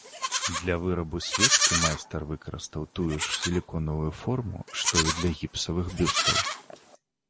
Для вырабу свечкі майстар выкарыстаў тую ж сіліконавую форму, што і для гіпсавых бюстаў.